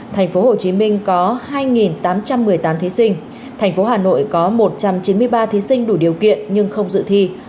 tp hcm có hai tám trăm một mươi tám thí sinh tp hcm có một trăm chín mươi ba thí sinh đủ điều kiện nhưng không dự thi